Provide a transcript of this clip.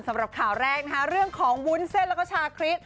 สำหรับข่าวแรกนะคะเรื่องของวุ้นเส้นแล้วก็ชาคริส